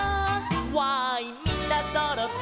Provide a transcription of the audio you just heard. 「わーいみんなそろったい」